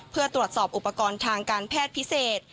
เพื่อตรวจสอบอุปกรณ์ทางการแพทย์พิเศษ